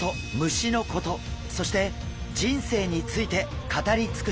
虫のことそして人生について語り尽くします。